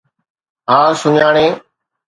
ها، سڃاڻي.